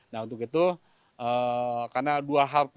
nah untuk itu karena dua hal